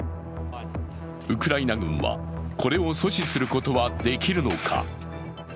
ウクライナ軍はこれを阻止することはできるのか。